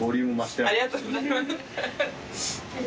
ありがとうございます。